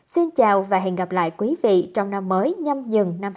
xin chào và hẹn gặp lại quý vị trong năm mới nhâm dừng năm hai nghìn hai mươi hai